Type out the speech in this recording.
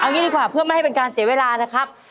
งี้ดีกว่าเพื่อไม่ให้เป็นการเสียเวลานะครับ